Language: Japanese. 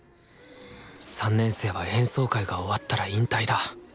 ３年生は演奏会が終わったら引退だ。